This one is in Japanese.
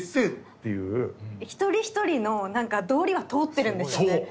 一人一人の道理は通ってるんですよね。